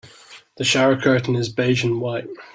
The shower curtain is beige and white.